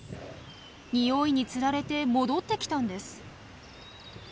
ニオイにつられて戻ってきたんです。